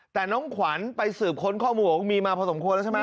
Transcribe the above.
แต่น้องขวัญไปสืบค้นข้อมูลบอกว่ามีมาพอสมควรแล้วใช่ไหม